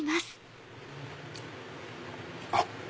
あっ！